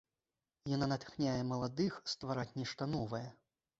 Яна натхняе маладых ствараць нешта новае.